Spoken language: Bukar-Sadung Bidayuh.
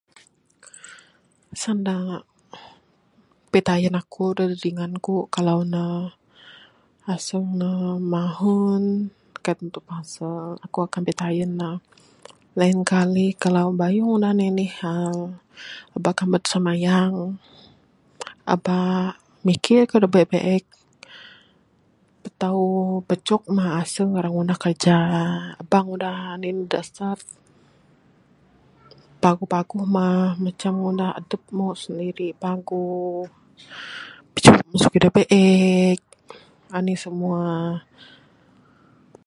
Sanda pitayen aku da jugon ku kalau nuh asung nuh mahun kaii tantu pasal, aku akan pitayen nuh lain kali kalau bayuh ngunah anih-anih hal aba kamet simayang, aba mikir kayuh da biek-biek tau bujog mah asunh wang rak ngunah kiraja, aba ngunah anih da asat paguh-paguh mah macam ngunah adupmu sendiri paguh pijuho kayuh da biek, anih semua.